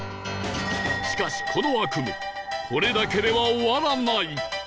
しかしこの悪夢これだけでは終わらない